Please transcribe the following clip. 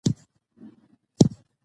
د دولت سیاستونه باید شفاف وي